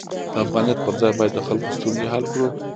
د افغانیت پر ځای باید د خلکو ستونزې حل کړو.